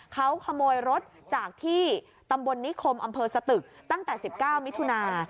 เขาขโมยรถจากที่ตำบลนิคมอำเภอสตึกตั้งแต่๑๙มิถุนา